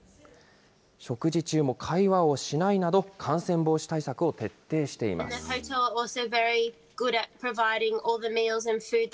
食事中も会話をしないなど、感染防止対策を徹底しています。